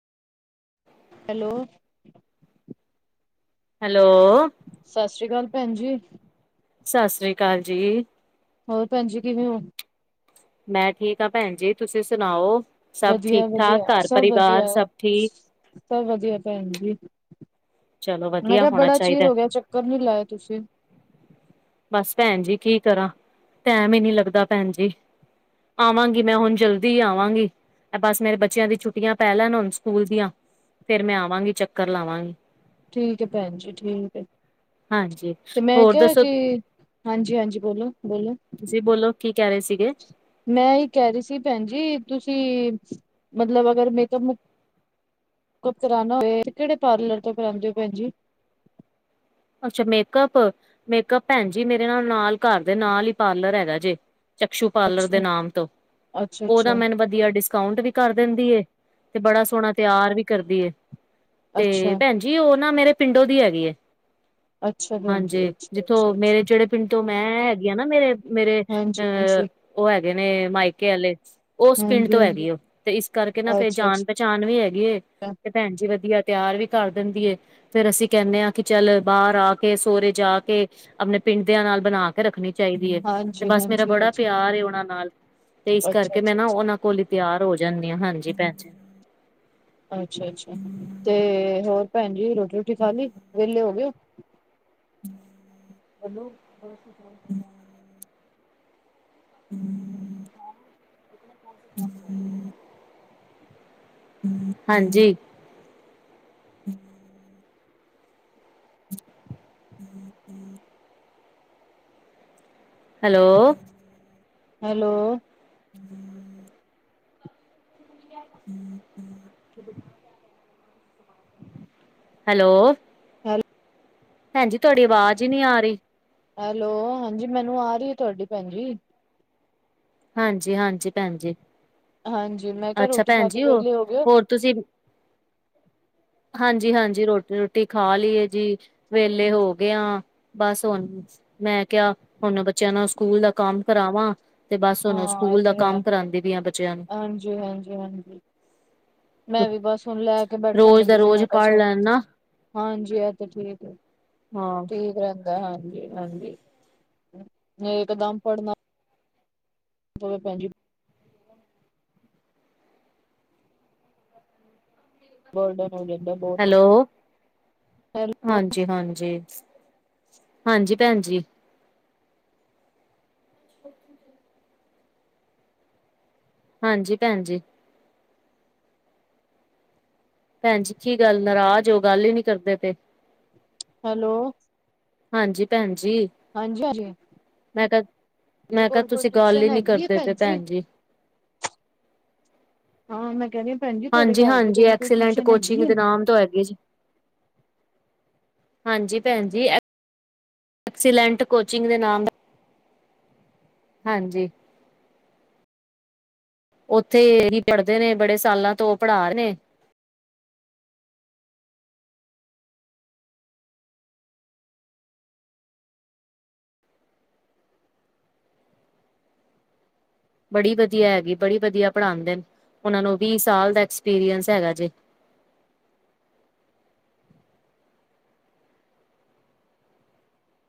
Hello. Hello. ਸਤਿ ਸ੍ਰੀ ਅਕਾਲ, ਭੈਣ ਜੀ। ਸਤਿ ਸ਼੍ਰੀ ਅਕਾਲ ਜੀ। ਹੋਰ ਭੈਣ ਜੀ ਕਿਵੇਂ ਹੋ? ਮੈਂ ਠੀਕ ਹਾਂ ਭੈਣ ਜੀ, ਤੁਸੀਂ ਸੁਣਾਓ? ਸਭ ਠੀਕ ਠਾਕ ਵਧੀਆ-ਵਧੀਆ, ਘਰ ਸਭ ਪਰਿਵਾਰ ਵਧੀਆ। ਸਭ ਠੀਕ? ਸਭ ਵਧੀਆ ਭੈਣ ਜੀ। ਚਲੋ ਮੈਂ ਵਧੀਆ ਕਿਹਾ ਹੋਣਾ ਬੜਾ ਚਿਰ ਚਾਹੀਦਾ, ਹੋ ਗਿਆ, ਚੱਕ ਰ ਨੀ ਲਾਇਆ ਤੁਸੀਂ? ਬਸ ਭੈਣ ਜੀ, ਕੀ ਕਰਾਂ, ਟੈਮ ਹੀ ਨੀ ਲੱਗਦਾ ਭੈਣ ਜੀ। ਆਵਾਂਗੀ, ਮੈਂ ਹੁਣ ਜਲਦੀ ਆਵਾਂਗੀ। ਬਸ ਮੇਰੇ ਬੱਚਿਆਂ ਦੀ ਛੁੱਟੀਆਂ ਪੈ ਲੈਣ ਹੁਣ ਸਕੂਲ ਦੀਆਂ। ਫਿਰ ਮੈਂ ਆਵਾਂਗੀ ਚੱਕਰ ਲਾਵਾਂਗੀ। ਠੀਕ ਹੈ ਭੈਣ ਜੀ ਠੀਕ ਹੈ, ਹਾਂਜੀ ਤੇ ਮੈਂ ਹੋਰ ਕਿਹਾ ਦੱਸੋ? ਕਿ ਹਾਂਜੀ-ਹਾਂਜੀ, ਬੋਲੋ-ਬੋਲੋ। ਤੁਸੀਂ ਬੋਲੋ, ਕੀ ਕਹਿ ਰਹੇ ਸੀਗੇ? ਮੈਂ ਇਹ ਕਹਿ ਰਹੀ ਸੀ ਭੈਣ ਜੀ, ਤੁਸੀਂ ਮਤਲਬ ਅਗਰ ਮੇਕਅਪ-ਮੁਕ ਅਪ ਕਰਾਨਾ ਹੋਏ, ਕਿਹੜੇ ਪਾਰਲਰ ਤੋਂ ਕਰਾਉਂਦੇ ਹੋ ਭੈਣ ਜੀ? ਅੱਛਾ, ਮੇਕਅੱਪ-ਮੇਕਅੱਪ ਭੈਣ ਜੀ ਮੇਰੇ ਨਾਲ ਘਰ ਦੇ ਨਾਲ ਹੀ ਪਾਰਲਰ ਹੈਗਾ ਜੇ। ਚਕਸ਼ੂ ਪਾਰਲਰ ਦੇ ਅੱਛਾ, ਨਾਮ ਤੋਂ ਉਹ ਨਾ ਅੱਛਾ-ਅੱਛਾ, ਅੱਛਾ। ਮੈਨੂੰ ਬਸ ਵਧਿਆ ਡਿਸਕਾਊਂਟ ਵੀ ਕਰ ਦਿੰਦੀ, ਤੇ ਬੜਾ ਸੋਹਣਾ ਤਿਆਰ ਵੀ ਕਰਦੀ ਏ। ਤੇ ਅੱਛਾ ਭੈਣ ਜੀ ਉਹ ਨਾ ਮੇਰੇ ਪਿੰਡੋ ਦੀ ਹੈਗੀ ਏ। ਅੱਛਾ ਭੈਣ ਜੀ, ਹਾਂਜੀ, ਅੱਛਾ-ਅੱਛਾ, ਜਿੱਥੋਂ ਅੱਛਾ, ਮੇਰੇ ਜਿਹੜੇ ਪਿੰਡ ਤੋਂ ਮੈਂ ਹੈਗੀ ਹੈਨਾ ਮੇਰੇ ਮੇਰੇ ਅਹ ਹਾਂਜੀ-ਹਾਂਜੀ, ਉਹ ਹੈਗੇ ਨੇ ਮਾਇਕੇ ਵਾਲੇ ਉਸ ਪਿੰਡ ਤੋਂ ਹਾਂਜੀ-ਹਾਂਜੀ, ਹੈਗੀ ਹੈ ਉਹ ਤੇ ਇਸ ਕਰਕੇ ਨਾ ਫੇਰ ਜਾਣ ਅੱਛਾ-ਅੱਛਾ। ਪਹਿਚਾਣ ਵੀ ਹੈਗੀ, ਤੇ ਭੈਣ ਜੀ ਵਧੀਆ ਤਿਆਰ ਵੀ ਕਰ ਦਿੰਦੀ, ਫੇਰ ਅਸੀਂ ਕਹਿੰਦੇ ਹਾਂ ਕਿ ਚੱਲ ਬਾਹਰ ਆ ਕੇ, ਸੋਹਰੇ ਜਾ ਕੇ ਆਪਣੇ ਪਿੰਡ ਦਿਆਂ ਨਾਲ ਬਣਾ ਕੇ ਤੇ ਰੱਖਣੀ ਚਾਹੀਦੀ ਹੈ ਤੇ ਹਾਂਜੀ, ਬਸ ਮੇਰਾ ਹਾਂਜੀ, ਬੜਾ ਹਾਂਜੀ, ਪਿਆਰ ਉਹਨਾਂ ਨਾਲ ਤੇ ਇਸ ਅੱਛਾ, ਕਰਕੇ ਮੈਂ ਅੱਛਾ, ਨਾ ਉਹਨਾਂ ਕੋਲੀ ਤਿਆਰ ਹੋ ਜਾਂਦੀ ਆ ਹਾਂਜੀ, ਭੈਣ ਜੀ। ਅੱਛਾ-ਅੱਛਾ, ਤੇ ਹੋਰ ਭੈਣ ਜੀ ਰੋਟੀ-ਰੋਟੀ ਖਾ ਲਈ ਵਿਹਲੇ ਹੋਗੇ ਓ। ਹੈਲੋ [unintelligible] ਹੂੰ [unintelligible] ਹਾਂਜੀ। [unintelligible] ਹੈਲੋ। ਹੈਲੋ। ਹੂੰ [unintelligible] ਹੂੰ-ਹੂੰ [unintelligible] ਹੈਲੋ। ਹੈਲੋ। ਭੈਣ ਜੀ ਤੁਹਾਡੀ ਆਵਾਜ਼ ਹੀ ਨਹੀਂ ਆ ਰਹੀ। ਹੈਲੋ, ਹਾਂਜੀ ਮੈਨੂੰ ਆ ਰਹੀ ਹੈ ਤੁਹਾਡੀ ਭੈਣ ਜੀ। ਹਾਂਜੀ-ਹਾਂਜੀ, ਭੈਣ ਜੀ। ਹਾਂਜੀ, ਮੈਂ ਕਿਹਾ ਅੱਛਾ ਰੋਟੀ ਭੈਣ ਖਾ ਕੇ ਜੀ ਉਹ ਵੇਲੇ ਹੋ ਗਏ ਹੋ। ਹੋਰ ਤੁਸੀਂ ਹਾਂਜੀ-ਹਾਂਜੀ, ਰੋਟੀ-ਰੋਟੀ ਖਾ ਲਈ ਏ ਜੀ। ਵਹਲੇ ਹੋ ਗਿਆ ਬਸ, ਹੁਣ ਮੈਂ ਕਿਹਾ ਹੁਣ ਬੱਚਿਆਂ ਨੂੰ ਸਕੂਲ ਦਾ ਕੰਮ ਕਰਾਵਾਂ। ਤੇ ਬਸ ਹੁਣ ਹਾਂ, ਇਹ ਸਕੂਲ ਦਾ ਤੇ ਹੈ ਕੰਮ ਕਰਾਉਂਦੀ ਪਈ ਆ ਬੱਚਿਆਂ ਨੂੰ ਹਾਂਜੀ-ਹਾਂਜੀ-ਹਾਂਜੀ। ਮੈਂ ਵੀ ਬਸ ਹੁਣ ਲੈ ਕੇ ਬੈਠਣ ਰੋਜ਼ ਦਾ ਲੱਗੀ ਸੀ, ਰੋਜ਼ ਮੈਂ ਕਿਹਾ ਪੜ੍ਹ ਚਲ ਲੈਣ ਨਾ ਹਾਂਜੀ, ਇਹ ਤਾਂ ਠੀਕ ਹੈ। ਹਾਂ। ਠੀਕ ਰਹਿੰਦਾ ਹਾਂਜੀ-ਹਾਂਜੀ, ਇੱਕ ਦਮ ਪੜ੍ਹਨਾ ਵੇਂ ਭੈਣਜੀ ਬਰਡਨ ਹ [unintelligible] [inaudible] ਹੈਲੋ! ਹਾਂਜ ਜੀ ਹਾਂਜੀ, ਹਾਂਜੀ ਭੈਣ ਜੀ। [inaudible] ਹਾਂਜੀ, ਭੈਣ ਜੀ। ਭੈਣ ਜੀ, ਕੀ ਗੱਲ ਨਾਰਾਜ਼ ਓ। ਗੱਲ ਈ ਨੀ ਕਰਦੇ ਪੇ? ਹੈਲੋ। ਹਾਂਜੀ, ਭੈਣ ਜੀ। ਹਾਂਜੀ, ਹਾਂਜੀ ਮੈਂ ਤੁਹਾਡੇ ਕਿਅ-ਮੈਂ ਕਿਆ ਕੋਲ ਕੋਈ ਤੁਸੀਂ ਗੱਲ ਟਿਊਸ਼ਨ ਹੀ ਨੀ ਹੈਗੀ ਹੈ ਕਰਦੇ ਪੇ ਭੈਣ ਜੀ। ਹਾਂ, ਮੈਂ ਕਹਿਦੀ ਹਾਂਜੀ, ਹਾਂਜੀ। ਐਕਸੀਲੈਂਟ ਕੋਚਿੰਗ ਹੈ? ਦੇ ਨਾਮ ਤੋਂ ਹੈਗੇ ਜੀ। ਹਾਂਜੀ, ਭੈਣ ਜੀ, ਐ ਐਕਸੀਲੈਂਟ ਕੋਚਿੰਗ ਦੇ ਨਾਮ, ਹਾਂਜੀ। ਉੱਥੇ ਇਹੀ ਪੜ੍ਹਦੇ ਨੇ ਬੜੇ ਸਾਲਾਂ ਤੋਂ ਉਹ ਪੜ੍ਹਾ ਰਿਹੇ। ਬੜੀ ਵਧੀਆ ਹੈਗੀ, ਬੜੀ ਵਧੀਆ ਪੜ੍ਹਾਦੇ ਨ ਉਹਨਾਂ ਨੂੰ ਵੀਹ ਸਾਲ ਦਾ ਐਕਸਪੀਰੀਅੰਸ ਹੈਗਾ ਜੇ।